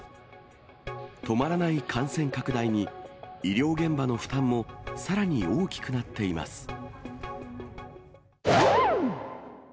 止まらない感染拡大に、医療現場の負担もさらに大きくなっています。